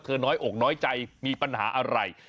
น้อยอกน้อยใจมีปัญหาอะไร